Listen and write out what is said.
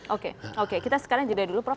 oke oke kita sekarang jeda dulu prof